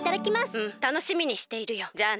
うんたのしみにしているよじゃあな。